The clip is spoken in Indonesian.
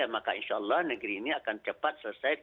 maka insya allah negeri ini akan cepat selesai